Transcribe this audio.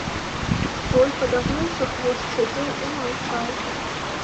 Той, падагнуўшы хвост, сядзеў і маўчаў.